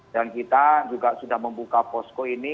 dan kita juga sudah membuka posko ini